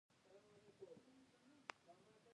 ایا زه باید اچار وخورم؟